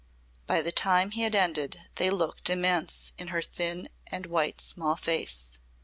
By the time he had ended they looked immense in her thin and white small face.